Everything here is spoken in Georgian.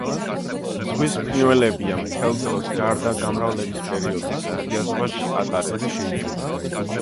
ზღვის ფრინველებია, მთელ დროს, გარდა გამრავლების პერიოდისა, ღია ზღვაში ატარებენ.